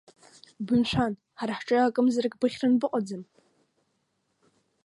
Бымшәан, ҳара ҳҿы акымзарак быхьран быҟаӡам.